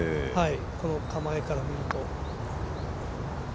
この構えから見ると。